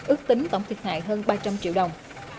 ước tính tổng thiệt hại hơn ba trăm linh triệu đồng